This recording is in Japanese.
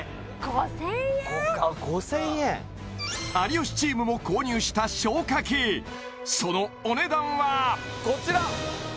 有吉チームも購入した消火器そのお値段はこちら！